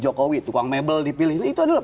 jokowi tukang mebel dipilih itu adalah